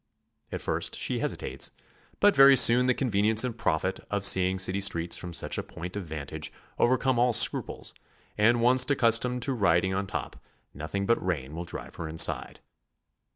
At first she hesitates, but very soon the convenience and profit of seeing city streets from such a point of vantage overcome all scruples, and once accustomed to riding on top, nothing but rain will drive her inside.